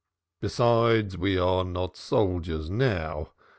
Besides, we are not soldiers now.